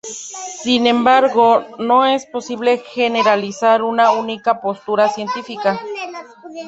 Sin embargo, no es posible generalizar una única postura científica.